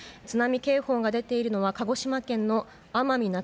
津波警報が出ているのは鹿児島県の奄美